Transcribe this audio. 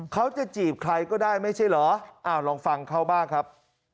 เขาจะจีบใครก็ได้ไม่ใช่เหรอลองฟังเขาบ้างครับ